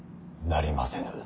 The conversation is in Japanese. なりませぬ。